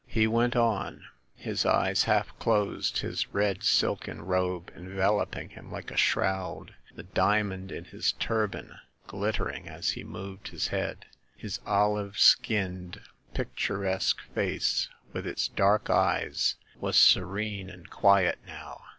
He went on, his eyes half closed, his red silken robe enveloping him like a shroud, the diamond in his turban glittering as he moved his head. His olive skinned, picturesque face with its dark eyes was serene and quiet now.